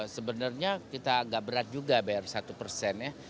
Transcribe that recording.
sebenarnya kita agak berat juga bayar satu persen ya